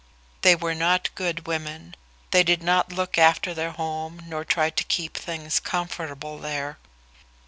They were not good women; they did not look after their home nor try to keep things comfortable there.